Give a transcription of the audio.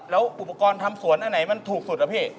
แล้วอุปกรณ์ทำสวนอันไหนมันถูกสุดอะพี่